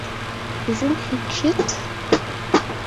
Isn't he cute?